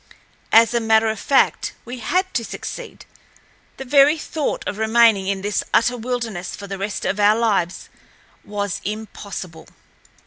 As a matter of fact, we had to succeed. The very thought of remaining in this utter wilderness for the rest of our lives was impossible.